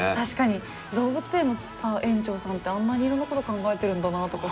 動物園の園長さんってあんなにいろんなこと考えてるんだなとかさ。